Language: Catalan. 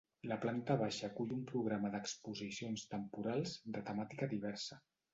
La planta baixa acull un programa d’exposicions temporals de temàtica diversa.